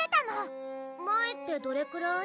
前ってどれくらい？